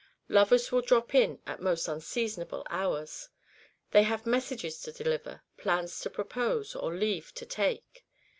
Lovers will drop in at most unseasonable hours; they have messages to deliver, plans to propose, or leave to take.